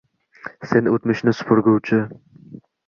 Sen o’tmishni supurguvchi